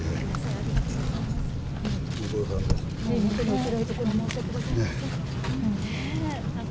おつらいところ、申し訳ございません。